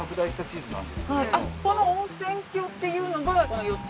この温泉郷っていうのがこの４つ。